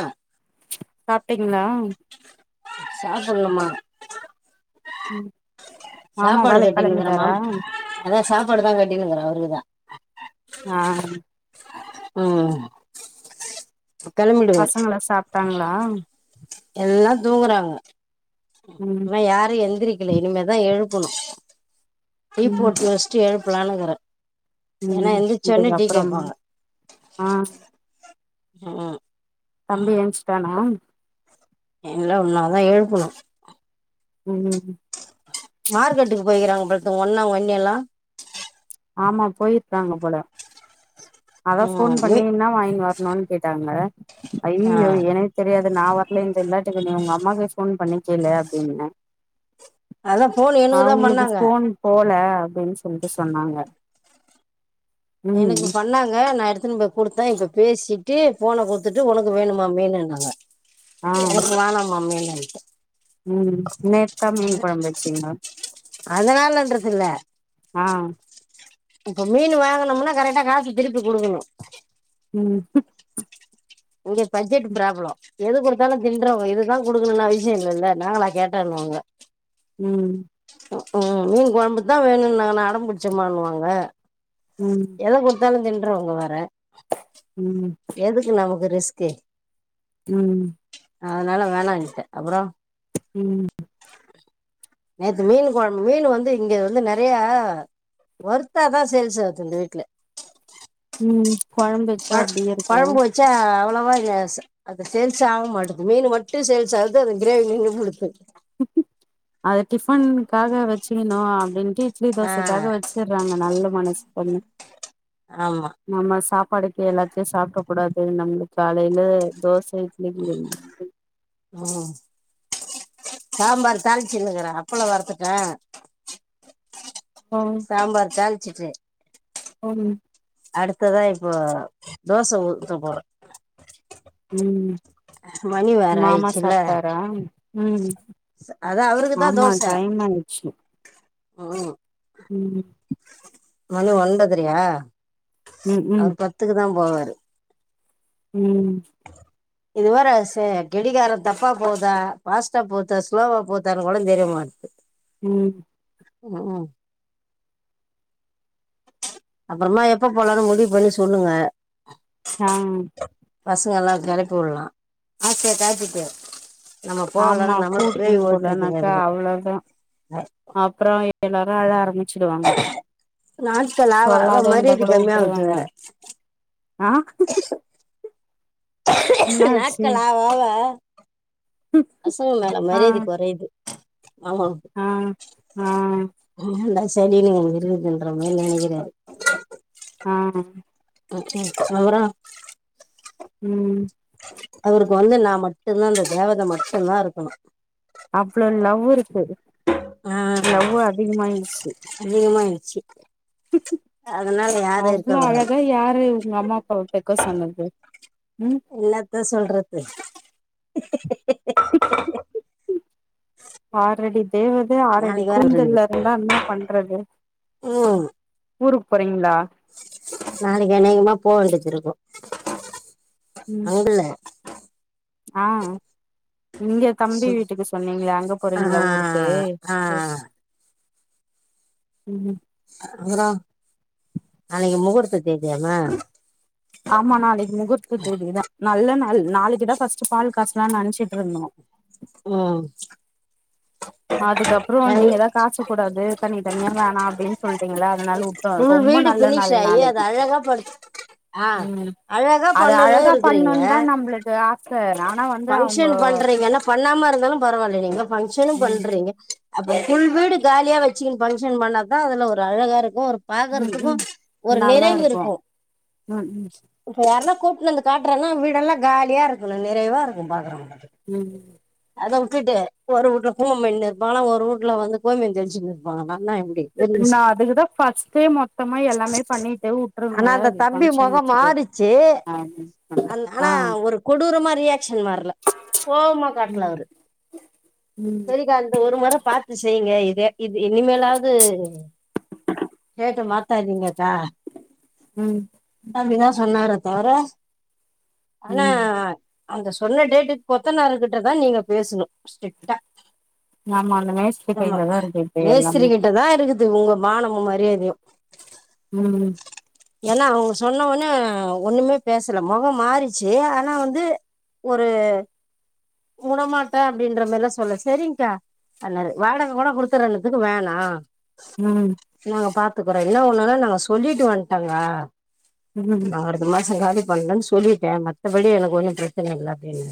ஆஹ் [unintelligible] சாப்பிட்டீங்களா சாப்பில்ல மா உம் சாப்பாடு கட்டினுங்கிறே மம் அதான் சாப்பாடு தான் கட்டனுங்கிறேன் அவருக்குதான் ஆஹ் உஹம் பசங்கள் எல்லா சாப்பிட்டாங்களா எல்லாம் தூங்குறாங்க ம் இன்னும் யாரு எந்திரக் இனிமேதான் எழுப்பணும் டீ ம் போட்டு வச்சட்டு எழுப்பலனுக்கிறேன் ஏன்னா ம் எந்திரச்ச உன்னே டீ இதுக்கப்புறமா கேட்பாங்க ஆ ஆஹ் தம்பி ஏன்ஷ்டானா இல்ல ஒண்ணாதான் எழுப்பணும் உம் மார்க்கெட்டுக்கு போய்கிறாங்க பொழ உங்கன்னா அண்ணில்லாம் ஆமா போயிருப்பாங்க போல அதான் போன் ம் பண்ணி ம் என்னா வாங்கி வரணும்னு கேட்டாங்க ஆ ஐயாயோ எனக் தெரியா நான் வரல இந்த வில்லாட்டுக்கு நீ உங்க அம்மாக்கு போன் பண்ணிக் கேலு அப்படின்னே அதா போணு எணுக்குதா பண்ணாங்க இல்ல அப்படினு சொல்டு சொன்னாங்க எணுக்கு ம் பண்ணா ங்க நா கொடுத்தா இப்ப பேசிட்டு போன கொடுத்துட்டு உனக்கு வேணுமா மீனுனாங்க கு வேணாம்மா மீனு [inaudible] உம் நேத்தா மீன் கொழம்பு வச்சீங்களா அதனாலன்றது இல்ல ஆஹ் இப்ப மீன் வாங்கனொம்னா கரெக்டா காசு திருப்பி கொடுக்கணும் உம் [inaudible] இங்க பட்ஜெட் ப்ராப்ளம் எது கொடுத்தாலும் தின்றவங்க இதுதான் கொடுக்கணும்ன்னு அவசியம் இல்லல்ல நாங்கள கேட்டோனுவாங்க உம் ம் மீன் கொழம்புதான் வேணும் நா அட பிடிச்ச வாங்கு வாங்க ம் எத குடுத்தால தின் வாங்க வேற ம் எதுக்கு நமக் ரிஸ்கு உம் அதனால வேணாம்னுடேன் அப்பறம் உம் நேத்து மீன் கொழம்பு மீன் வந்து இங்க வந்து நெறைய வருத்தாதான் சேல்ஸ் ஆகுது இந்த வீட்டுல உம் கொழ கொழம்பு வச்சா அவ்ளவா அது சேல்ஸ் ஆக மாட்டது மீன் மட்டும் சேல்ஸ் ஆகுது அது கிரேவி நின்டுத்து அப்ப அது டிஃபனுகாக வச்சு நா அப்படின்னு இட்லி ஆ தோசைக்காக வச்சுடுறாங்க நல்ல மனசு பண் ஆமா நம்ம சாப் படிக்க எல்லாத்தையும் சாப்பிடக் கூடாது நம்மளுக்கு காலையில தோசை ச [inaudible] ம் சாம்பார் தாளிச்சுங்கறேன் அப்பள வர்த்துக்டேன் சாம்பார் தால் சிட்டு உம் அடுத்ததா இப்போ தோச ஊத்த போறேன் உம் மணி வேற மாமா ஆயிடுச்சுல்ல சாப்டாரா உஹம் அதான் அவருக்குதான் தோச ஓ உம் மணி ஒன்பது அரைய ம் ம் அவர் பத்துக்கு தான் போவாறு உம் இது வேற சே கெடிகாரம் தப்பா போதா பாஸ்ட்டா போத்தா ஸ்லோவா போத்தான்னு கூட தெரியமாட்டது உம் உம் உம் அப்றோமா எப்ப போலானு முடிவு பண்ணி சொல்லுங்க ஆஹ் பசங்கல்லாம் கிளப்பி விடலாம் ஆசைய காட்டிட்டு நம்ம போகலன்னா ஆமா நம்மளும் பேய் கூட்டுன்னு ஓட்டுருதுங்க போலனக்கா அதுங்க அவ்ளோதான் அப்றோ எல்லாரும் அழ ஆரம்பி நாட்கள் ஆவ ஆவ சொல்லாத இருந்தா மரியாதை கூட கம்மிஆகுது வுட்டுருவாங்க வேற ஆ என்னாச்சு நாட்கள் ஆவ ஆவ பசங்க மேல ஆ மரியாதை குறையுது ஆமா ஆ ஆ சடி நீ விருந்துகின்ற மேனஜர் நினைக்கிறேன் ஆஹ் புரோக்ராம் உம் அவருக்கு வந்து நான் மட்டும்தான் அந்த தேவதை மட்டும் தான் இருக்கணும் அவ்ளோ லவ் இருக் சரி ஆ லவ் அதிகமயிடுச்சு சிக் அவ்ளோ கூடாது அழகா யாரு உங்க அம்மா அப்பாவ‌ பெக்க சொன்னது ம் எல்லாத்தான் சொல்றது ஆஹ ரெடி தேவதே ஆறடி நாளைக்கு வேற இருக்குது கூந்தல்ல இருந்தா என்ன பண்றது ம் ஊருக்கு போறீங்களா நாளைக்கு அனேகமா போக வேண்டியது இருக்கும் அங்கல ஆஹ் இங்க தம்பி சு வீட்டுக்கு சொன்னீங்களா அங்க ஆ போறீங்களா ஊருக்கு ஆ உம் அப்புறம் அன்னைக்கு முகூர்த்த தேதியமே ஆமா நாளைக்கு முகூர்த்த தேதிதான் நல்லன நல் நாளைக்கு தான் ஃபர்ஸ்ட் பால் காசலான்னு நினச்சிட்டு இருந்தோம் உஹம் அதுக்கப்புறம் நீங்கதான் காச கூடாது தனி தனியா வேணாம் அப்படின்னு சொல்லிட்டீங்கள அதனால உட்டோம் ஃபுல் ரொம்ப வீடு நல்ல ஃபினிஷ் நாள் ஆகி அது நாளைக்கு அழகா படு ஆ உம் அழகா அத பண்ணணும் அழகா பண்ணோன் தான் நம்மளுக்கு ஆச ச நான் பங்க்ஷன் பண்றீங்கன்ன ப பண்ணாம இருந்தாலும் பரவாயில்ல நீங்க ஃபங்க்ஷனுும் ம் பண்றீங்க அப்ப ஃபுல் வீடு காலியா வச்சுக்கின்னு பங்க்ஷன் பண்ணாதான் அதுல ஒரு அழகா இருக்கும் ஒரு ம் பாக்கறதுக்கோ ம் ஒரு நல்லா நெறைவு இருக்கு இருக்கோ ம் இப்ப யாரனா கூட்டுவந்து காட்றேனா வீடெல்லா காலியா இருக்கனோ நிறைவா உம் பாக்குறோங்க உம் விட்டுட்டு ஒரு உட்ல குடும்ப பண்ணினு இருப்பாங்களா ஒரு உட்டு்ல வந்து கோமியோ தெளிச்சுனு இருப்பாங்களா [unintelligible] நா அதுகுதா பஸ்டே மொத்தமா எல்லாமே பண்ணிட்டு உட்ருங்க ஆனா அந்த தம்பி பங்க்ஷன் முகம் வச்சுட்டு மாறிச்சு ஆஹ் அந்த- ஆனா ஆஹ் ஒரு கொடூரமா ரியாக்ஷன் மாறல கோவமா காட்ல அவுரு ம் சேரிகா இந்த ஒரு மோர பாத்து செய் நீங்க இதே இது இனிமேலாது கேட்டு மாத் சரிங்கக்கா உம் தவற ஆனா ம் அந்த சொன்ன டேட்டுக் கொத்தனாரு கிட்டதா நீங்க பேசனோ ஸ்ரீட்ட ஆம அந்த மேஸ்திரி கையில தா இருக்கு இப்ப எல்லாமே இது உங்க மானமொ மரியாதயு உம் என்னா அவங்க சொ சொன்னவன்னே ஒண்ணுமே பேசல மொக்கோ மாறிச்சு ஆனா வந்து ஒரு உடமாட்டே அப்டின்ற மாரியெல்லா சொல்ல செரிங்கா சொன்னாரு வாடக கூட கொடுத்துறனதுக்கு வேணா ம் நாங்க பா பாத்துக்குறோன் இன்ன ஒண்ணுனா நாங்க சொல்லிட்டு வண்டோக்கா ம் நான் அடுத்த மாச காலேஜ் பண்ணுன்னு சொல்லிட்டே மத்தபடி எனக்கு ஒன்னோ பிரச்சன இல்ல அப்டின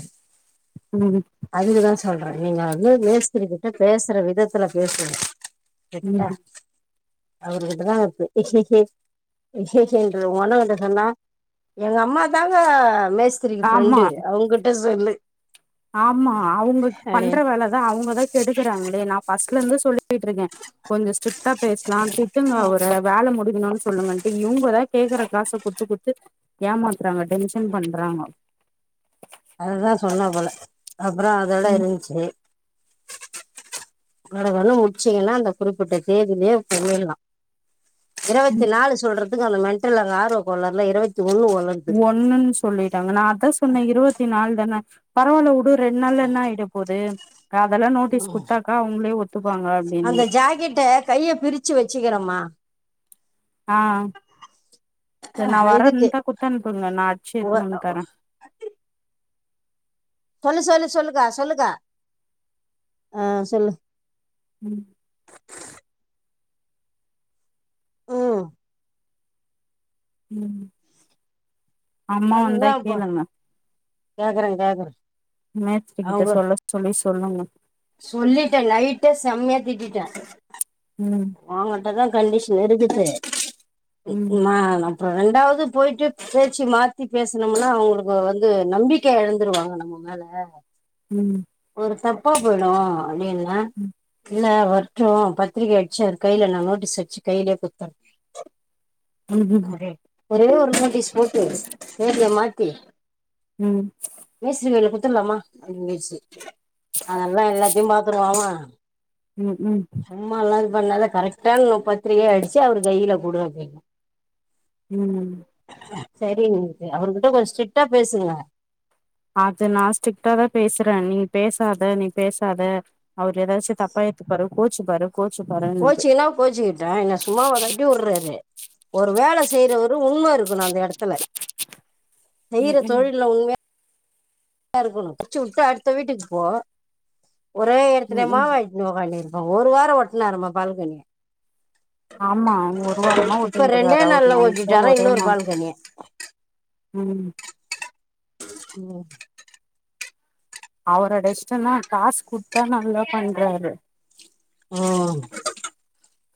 ம் அதுக்குதா சொல்றே நீங்க வந்து மேஸ்திர கிட்ட பேசுற விதத்துல பேசுங்க க்ட்டா ம் அவுருகிட்டதா இருக்கு சொல்றேன் ஒங்க அண்ணங்கிட்ட சொன்னா எங்க அம்மா தாங்க மேஸ் த்ரிக்கு ஆமா ஃப்ரெண்டு அவங்கிட்ட சொல்லு ஆமா அவங்க அப்டின்னு பண்ற வேலதா அவங்கதா கெடுக்குறாங்களே நா பஸ் ஃபர்ஸ்ட் ல இருந்து சொல்லிட்டுருக்கேன் கொஞ்ச ஸ்டிரிக்டா பேசு நா திட்டுங்க அவுர வேல முடி கன்னு சொல்லுங்கன்டு இவுங்தா கேக்குற காச குத்து குத்து ஏமாத்றாங்க டென்ஷன் பண்றாங்கோ அதுதா சொன்னா போல அப்றோ அதோட இருஞ்ட்சி கடகடணு முச்சீங்னா அந்த குறிப்புட்ட தேதியிலே போயில்லாம் ம் இருவத்திநாலு சொல்றத் இதுக்கன மென்டல் அங்க ஆர்வகோளர்ல இரவத் ஒன்னுன் சொல்லிட்டாங்கனா நா அதா சொன்னே இருவத்திநாலு தான பரவால்ல வுடு ரெண்நாள்ல என்ன ஆய்ட போது அதெல்லா நோட்டீஸ் குடுத்தாக்கா அவங்களே ஒத்துப்பாங்க அந்த அப்டின்னு ஜாக்கெட்ட கைய பிரிச்சு வச்சுக்கிறமா ஆஹ் த நா இதுக்கு வரேந்தா குத்தனுப்புங்க நா அச்சு எத்தணுந்து தர சொல்லு சொல்லு சொல்லுங்க சொல்லுங்க ஆஹ் சொல்லு உம் உம் உம் அம்மா வந்தா கேளுங்க கேக்கற கேக்கற மேஸ்த்ரி கிட்ட சொல்ல சொல்லி சொல்லுங்க சொல்லிட்டே நைட்டே செம்ய திட்டிட்ட ம் ஒங்கிட்டதா கண்டிஷன் இருக்குது ம் நா அப்பற ரெண்டாவது போயிட்டு பேச்சு மாத்தி பேசுனம்னா அவுங்களுக்கு வந்து நம்பிக்கை எழந்துருவாங்க நம்ப மேல உம் தப்பா போய்டும் அப்டின்னு அஹ் இல்ல வர்டும் பத்திரிக்க அச்சு அவர் கையில நா நோட்டீஸ் அச்சு கையிலே குத்தர் உம் ம் ம் ஒரே ஒரு நோட்டீஸ் போட்டு தேதிய மாத்தி உம் த்துலாமா [unintelligible] அதல்லா எல்லாத்தையு பாத்துருவா அவ உம் உம் [unintelligible] கரக்டாது ஒரு பத்திரிக அடிச்சு அவரு கையில குடு அப்டின்ன உம் சரிங் அவுருகிட்ட கொஞ் ஸ்ட்ரிக்டா பேசுங்க அது நா ஸ்ட்ரிக்டாதா பேசுற நீங் பேசாத நீ பேசாத அவரு எதாச்சு தப்பா ஏத்துபாரு ஓச்சுப்பாரு கோச்சிக்கன்னா கோச்சுக்கிட்டும் என்னா சும்மாவ கட்டி வூடுறாரு ஒரு வேல செய்யறவரு உண்ம இருக்குணும் அந்த இடத்துல செய்யற ம் ம் தொழில்ல உண்மையா யா இருக்கணும் கச்சு விட்டு அடுத்த வீட்டுக்கு போ ஒரே எடத்துல ம் ம் மாவாய்க்குனு உக்கானிறு அப்ப ஒரு வாரம் ஒட்டுனாரு மா பால்கனியா ஆமா அவ ஒரு வாரமா இப்ப ரெண்டே ஓட்டின்ருக்காரு அவரு நாள்ல நன்ச்சா ஓட்டிட்டாரா ஒரே இன்னொரு நா பால்கனிய உம் ஓ அவரோட இஷ்டம்னா காசு குடுத்தா நல்லா பண்றாரு உம்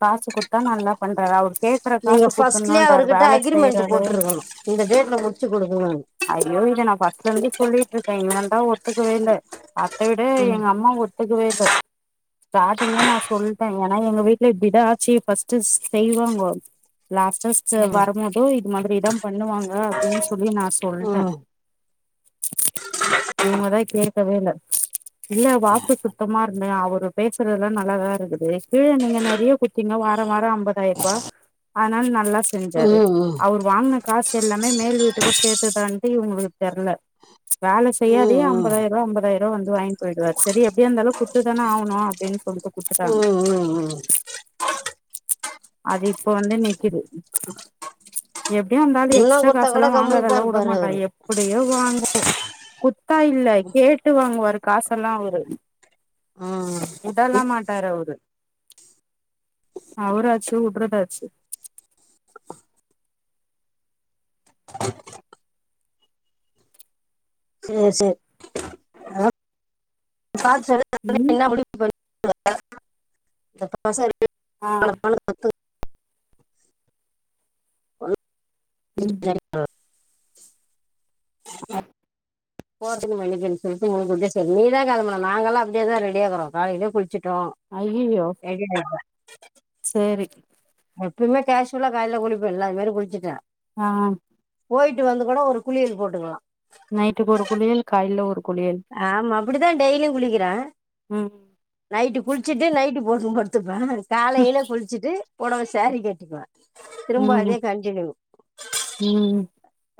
காசு குடுத்தா நல்லா பண்றாரு அவர் கேக்குற நீங்க காசு ஃபர்ஸ்ட்லயே குத்துணும்ன்றாரு அவர்கிட்ட வேலை அக்ரிமெண்ட் செய்றாரு போட்ருக்கணு இந்த டேட்ல முடிச்சு குடுக்கணுன்னு ஐயோ இத நான் ஃபஸ்ட்ல இருந்து சொல்லிட்டு இருக்கேன் எங்காண்ட ஒத்துக்குகவேயில்ல அத்த விட ம் எங்க அம்மா ஒ த்துகவே இல்ல ஸ்டாரிங்ளே நான சொல்ட்டேன் ஏன்னா எங்க வீட் ல இப்டி தான் ஆச்சு ஃபஸ்ட்டு செய்வாங்கோ லாஸ்டா ம் ம் வருமோதோ இது மாதிரி பண்ணுவாங்க அப்டின்னு சொல்லி நான் சொல்ட்டேன் ம் இவங்கதான் கேட்கவே இல்ல இல்ல வார்த சுத்தமா இருந்தே அவரு பேசுறதுெல்லாம் நல்லாதா இருக்குது கீழ நீங்க ந ஏன் குத்தீங்க வாரம் வாரம் ஐம்பதாயிரம்ரூபா அதனால நல்லா செஞ்சாரு ம் ம் அவர் வாங்ன காசு எல்லாமே மேல் வீட்டுக்க சேர்த்துதான்ட்டு இவங்ளுக்கு தெர்ல வேல செய்யாதியே ம் ம் அம்பதாயிரூவா அம்பதாயிரூவா வந்து வாங்கி போயிடுவாரு சரி எப்டியு இருந்தாலும் குத்துதான ஆகணும் அப்டின்னு சொல்லிட்டு குடுத்துட்டாங்க ம் ம் அது இப்ப வந்து நிக்குது எ ஏ அந்த ஆளு உண்ண எக்ஸ்ட்ரா குடுத்தா கூட காசெல்லாம் கம்முன்னு தான் வாங்காதெல்லா இருப்பாரு உடமாட்டா அவரு எப்படியோ வாங்கும் குத்தா இல்ல கேட்டு வாங்குவாரு காசல்லாம் அவரு ம் உடலாம் மாட்டாரு அவரு அவுராச்சு உடறதாச்சு செரி செரி ஆஹ் டார்ச்சர் தாண்டி ம் என்னா முடிவு பண்ணிட்டு வர [unintelligible] ஆஹ் [inaudible] ம் [unintelligible] [inaudible] போறத்துக்கு மண்ணிக்கனும் சொல்லிட்டு போகிட்ட சொல்லி நீ தான் காரணம் நாங்கல்லாம் அப்படியே தான் ரெடியாயிக்குறோம் காலையிலே குளிச்சு ஐய்யயோ செரி எப்பவுமே கேஷுலா காலையில குளிப்பேன்ல அது மாரி குளிச்சிட்டேன் ஆஹ் போயிட்டு வந்து கூட ஒரு குளியல் போட்டுக்கலாம் நைட்டுக்கு ஒரு குளியல் காலையில ஒரு குளியல் ஆமா அப்டித்தா டெய்லியும் குளிக்குறேன் ம் நைட்டு குளிச்சுட்டு நைட்டி போட்டுனு படுத்துப்பேன் காலையில குளிச்சுட்டு பொடவ சாரீ கட்டிக்குவேன் உம்ம் உம்ம்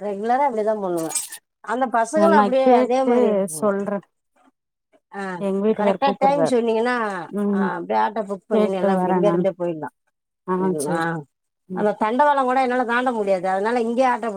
ரெகுலரா அப்டியே தான்பண்ணுவேன் அந்த பசங்களும் நா அப்டியே அதே கேட்டு மாரியே சொல்றே ஆஹ் எங்க வீட்டுக்காரு கரெக்ட்டா டைம் கூப்புட்றாரு சொன்னீங்கன்னா ம் ஆஹ் அப்டியே ஆட்டோ புக் பண்ணி கேட்டு எல்லாம் வரே நான் இங்கயிருந்தே போயிடலாம் ஆ சேரி ஆஹ் ம் அந்த தண்டவாளம் கூ என்னால தாண்ட முடியாது அதனால இங்கயே ஆட்டோ புடி